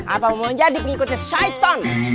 apa mau jadi pengikutnya syaitan